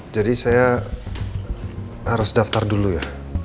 jadi saya harus daftar dulu ya